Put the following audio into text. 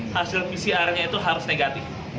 hasil pcrnya itu harus negatif